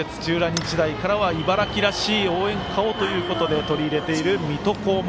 日大からは茨城らしい応援歌をということで取り入れている「水戸黄門」。